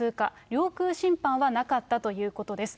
領空侵犯はなかったということです。